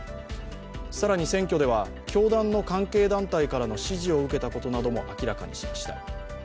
更に選挙では、教団の関係団体から支持を受けたことなども明らかにしました。